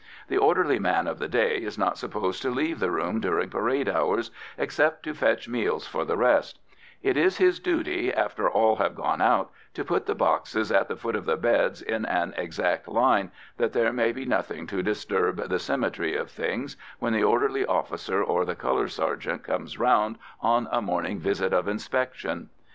The orderly man of the day is not supposed to leave the room during parade hours, except to fetch meals for the rest; it is his duty, after all have gone out, to put the boxes at the foot of the beds in an exact line, that there may be nothing to disturb the symmetry of things when the orderly officer or the colour sergeant comes round on a morning visit of inspection.